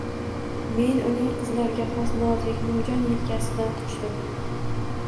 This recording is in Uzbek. Men uning qizlarga xos nozik, nimjon yelkasidan quchdim.